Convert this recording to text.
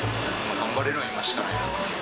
頑張れるのは今しかないかな。